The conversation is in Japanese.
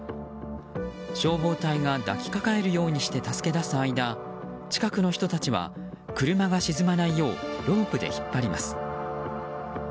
消防隊が抱きかかえるようにして助け出す間近くの人たちは車が沈まないようロープで引っ張ります。